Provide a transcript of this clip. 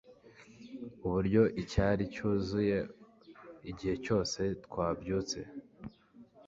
Uburyo icyari cyuzuye igihe cyose twabyutse